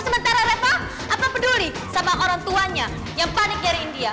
sementara reva apa peduli sama orang tuanya yang panik dari india